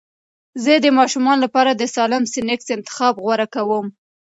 زه د ماشومانو لپاره د سالم سنکس انتخاب غوره کوم.